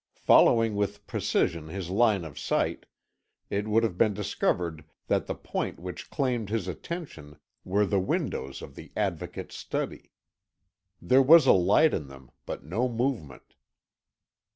Following with precision his line of sight, it would have been discovered that the point which claimed his attention were the windows of the Advocate's study. There was a light in them, but no movement.